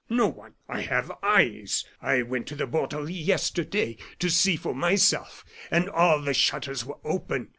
"No one I have eyes. I went to the Borderie yesterday to see for myself, and all the shutters were open.